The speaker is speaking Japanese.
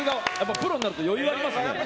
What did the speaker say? プロになると余裕がありますね。